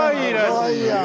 かわいいやん。